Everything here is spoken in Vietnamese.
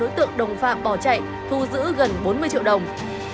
đối tượng đồng phạm bỏ chạy thu giữ gần bốn mươi triệu đồng